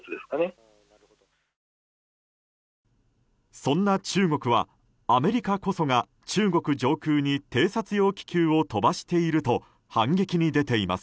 そんな中国はアメリカこそが中国上空に偵察用気球を飛ばしていると反撃に出ています。